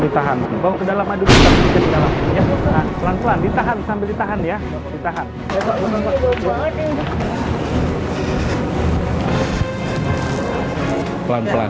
ditahan kau kedalam aduk aduk pelan pelan ditahan sambil ditahan ya ditahan pelan pelan